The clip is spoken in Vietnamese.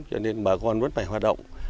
cho nên bà con vẫn phải hoạt động